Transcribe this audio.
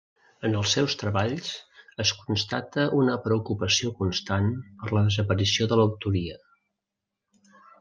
En els seus treballs es constata una preocupació constant per la desaparició de l'autoria.